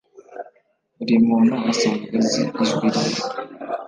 buri muntu asanzwe azi ijwi rye.